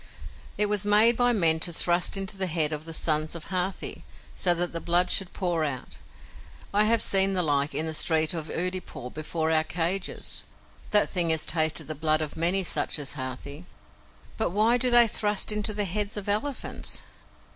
"It was made by men to thrust into the head of the sons of Hathi, so that the blood should pour out. I have seen the like in the street of Oodeypore, before our cages. That thing has tasted the blood of many such as Hathi." "But why do they thrust into the heads of elephants?"